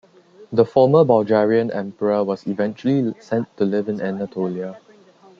The former Bulgarian emperor was eventually sent to live in Anatolia.